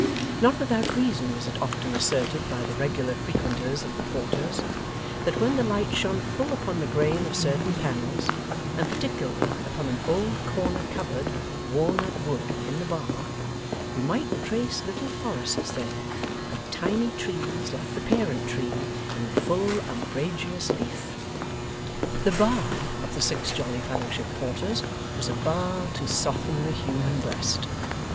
Not without reason was it often asserted by the regular frequenters of the Porters, that when the light shone full upon the grain of certain panels, and particularly upon an old corner cupboard of walnut wood in the bar, you might trace little forests there, and tiny trees like the parent tree, in full umbrageous leaf. The bar of the Six Jolly Fellowship Porters was a bar to soften the human breast.